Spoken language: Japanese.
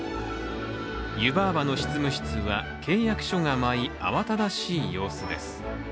湯婆婆の執務室は契約書が舞い、慌ただしい様子です。